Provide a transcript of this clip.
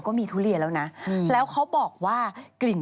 กลีดแรงก็ไปไลยอง